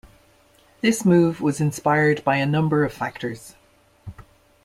This move was inspired by a number of factors.